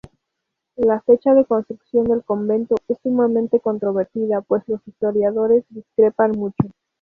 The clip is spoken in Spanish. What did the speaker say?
La fecha de construcción del convento es sumamente controvertida pues los historiadores discrepan mucho.